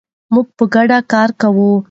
موږ په ګډه کار کوو.